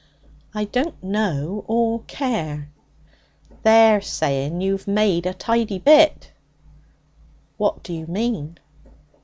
'I don't know or care.' 'They're saying you've made a tidy bit.' 'What d'you mean?'